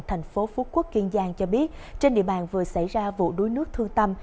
thành phố phú quốc kiên giang cho biết trên địa bàn vừa xảy ra vụ đuối nước thương tâm